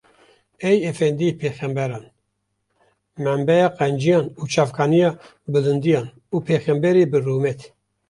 Ey efendiyê pêxemberan, menbaya qenciyan û çavkaniya bilindiyan û pêxemberê bi rûmet!